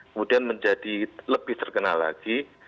kemudian menjadi lebih terkenal lagi